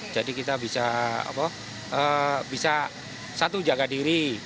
jadi kita bisa satu jaga diri